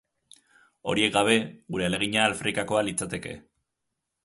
Horiek gabe, gure ahalegina alferrikakoa litzateke.